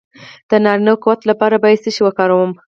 د نارینه قوت لپاره باید څه شی وکاروم؟